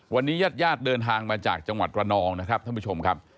วันนี้ญาติญาติเดินทางมาจากจังหวัดระนองนะครับท่านผู้ชมครับ